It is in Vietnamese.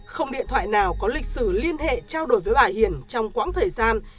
không điện thoại nào có lịch sử liên hệ trao đổi với bà hiền trong quãng thời gian